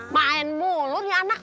main mulu ria anak